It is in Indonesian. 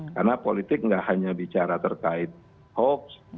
karena politik enggak hanya bicara terkait hoax